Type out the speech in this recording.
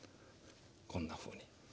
こんなふうに。